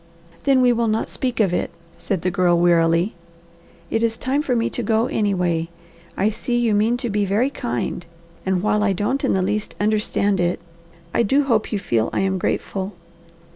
"Then we will not speak of it," said the Girl wearily. "It is time for me to go, anyway. I see you mean to be very kind, and while I don't in the least understand it, I do hope you feel I am grateful.